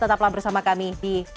tetaplah bersama kami di tnn indonesia